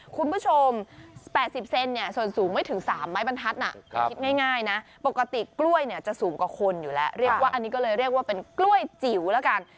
คุณผู้ชม๘๐เซนเนี่ยส่วนสูงไม่ถึง๓ไม้บรรทัดน่ะคิดง่ายนะปกติกล้วยเนี่ยจะสูงกว่าคนอยู่แล้วเรียกว่าอันนี้ก็เลยเรียกว่าเป็นกล้วยจิ๋วแล้วกัน